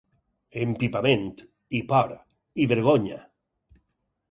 Empipament, i por, i vergonya.